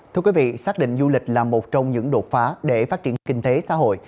thưa quý vị xác định du lịch là một trong những đột phá để phát triển kinh tế xã hội